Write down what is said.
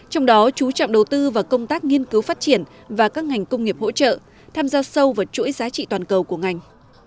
trong đó chú trọng đầu tư vào công tác nghiên cứu phát triển và các ngành công nghiệp hỗ trợ tham gia sâu vào chuỗi giá trị toàn cầu của ngành